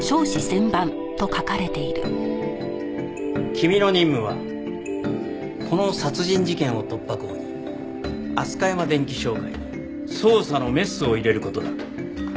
君の任務はこの殺人事件を突破口にアスカヤマ電器商会に捜査のメスを入れる事だ。